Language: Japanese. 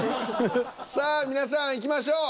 さあ皆さんいきましょう。